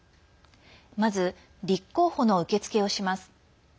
まず、立候補の受け付けをします。